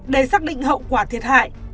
để xác định hậu quả thiệt hại